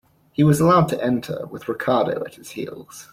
He was allowed to enter, with Ricardo at his heels.